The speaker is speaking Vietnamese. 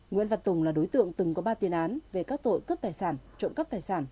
nguyễn văn tùng là đối tượng từng có ba tiền án về các tội cướp tài sản trộm cắp tài sản